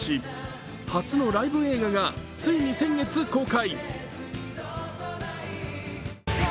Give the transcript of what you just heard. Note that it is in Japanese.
初のライブ映画がついに先月公開。